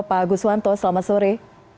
pak guswanto selamat sore